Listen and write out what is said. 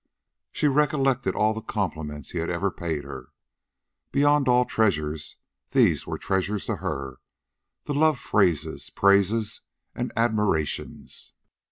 She recollected all the compliments he had ever paid her. Beyond all treasures, these were treasures to her the love phrases, praises, and admirations.